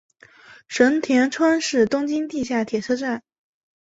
神田川是东京地下铁车站。